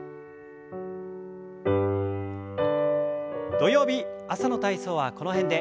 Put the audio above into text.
土曜日朝の体操はこの辺で。